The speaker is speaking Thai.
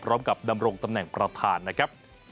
พร้อมกับดำรงตำแหน่งประธานนะครับ